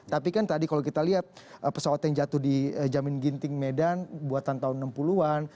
tapi kan tadi kalau kita lihat pesawat yang jatuh di jamin ginting medan buatan tahun enam puluh an